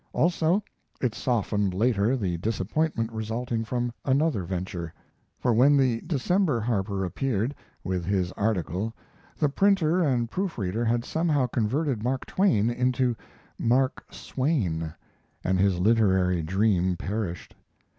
Also; it softened later the disappointment resulting from another venture; for when the December Harper appeared, with his article, the printer and proof reader had somehow converted Mark Twain into "Mark Swain," and his literary dream perished.